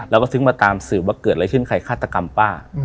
แล้วก็ถึงมาตามสืบว่าเกิดอะไรขึ้นใครฆาตกรรมป้า